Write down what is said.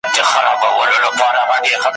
زه به ستا پرشونډو ګرځم ته به زما غزلي لولې `